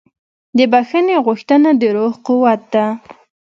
د بښنې غوښتنه د روح قوت ده.